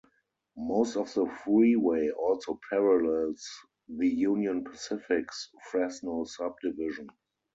Most of the freeway also parallels the Union Pacific's Fresno Subdivision.